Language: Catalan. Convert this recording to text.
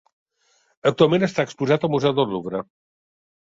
Actualment està exposat al Museu del Louvre.